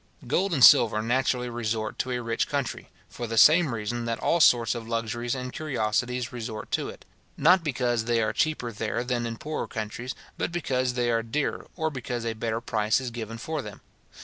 Gold and silver naturally resort to a rich country, for the same reason that all sorts of luxuries and curiosities resort to it; not because they are cheaper there than in poorer countries, but because they are dearer, or because a better price is given for them.